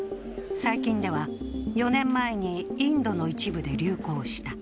最近では４年前にインドの一部で流行した。